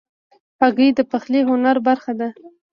هګۍ د پخلي هنر برخه ده.